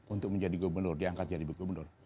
untuk menjadi gubernur diangkat jadi gubernur